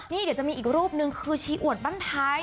นี่เดี๋ยวจะมีอีกรูปนึงคือชีอวดบ้านไทย